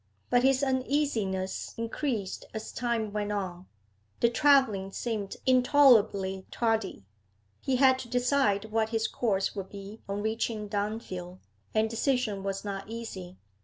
But his uneasiness increased as time went on; the travelling seemed intolerably tardy. He had to decide what his course would be on reaching Dunfield, and decision was not easy.